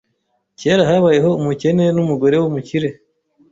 Kera, habayeho umukene numugore wumukire.